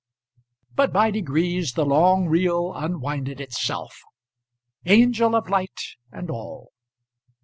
But by degrees the long reel unwinded itself; angel of light, and all.